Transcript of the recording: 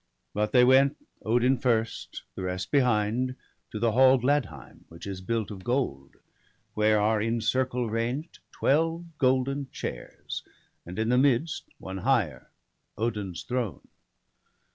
But they went, Odin first, the rest behind. To the hall Gladheim, which is built of gold; Where are in circle ranged twelve golden chairs, And in the midst one higher, Odin's throne.